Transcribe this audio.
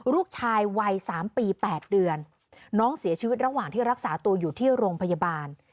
ลูกชายวัย๓ปี๘เดือนน้องเสียชีวิตระหว่างที่รักษาตัวอยู่ที่โรงพยาบาล